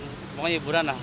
pokoknya hiburan lah